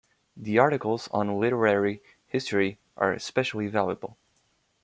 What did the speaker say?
The articles on literary history are especially valuable.